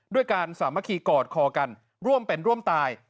ด้วยการสามัคคีกอดคอกันร่วมเป็นร่วมตาย